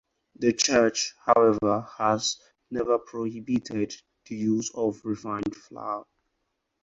The church, however, has never prohibited the use of refined flour.